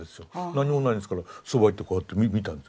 何もないんですからそばへ行ってこうやって見たんです。